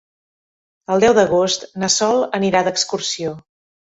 El deu d'agost na Sol anirà d'excursió.